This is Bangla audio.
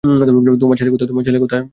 তোমার ছেলে কোথায়?